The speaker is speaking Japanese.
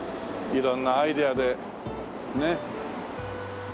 色んなアイデアでねっ。